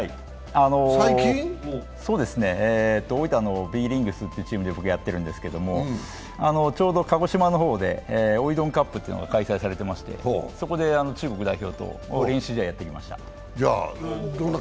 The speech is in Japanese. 最近？大分のＢ−リングスというところで僕はやっているんですけど、ちょうど鹿児島の方でおいどんカップというのが開催されていましてそこで中国代表と練習試合してきました。